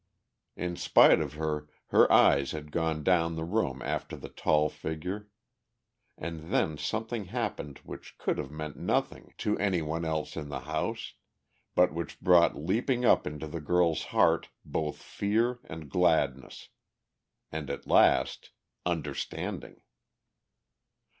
In spite of her her eyes had gone down the room after the tall figure. And then something happened which could have meant nothing to any one else in the house, but which brought leaping up into the girl's heart both fear and gladness. And, at last, understanding.